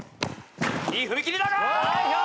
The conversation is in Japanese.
いい踏み切りだが。